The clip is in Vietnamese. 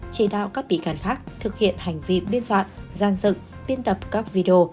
chỉ đạo các bị can khác thực hiện hành vi biên soạn gian dựng biên tập các video